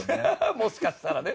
もしかしたらね。